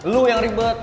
lo yang ribet